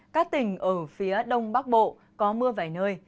các tỉnh ở phía đông bắc bộ có mưa vài nơi